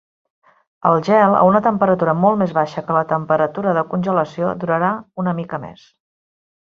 El gel a una temperatura molt més baixa que la temperatura de congelació durarà una mica més.